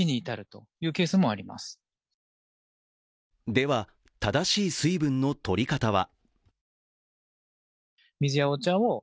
では、正しい水分の取り方は？